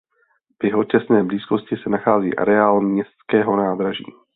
V jeho těsné blízkosti se nachází areál městského nádraží.